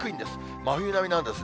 真冬並みなんですね。